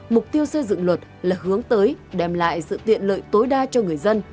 mục tiêu xây dựng luật là hướng tới đem lại sự tiện lợi tối đa cho người dân